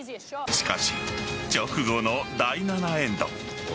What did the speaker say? しかし、直後の第７エンド。